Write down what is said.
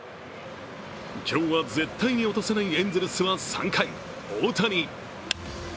今日は絶対に落とせないエンゼルスは３回、大谷。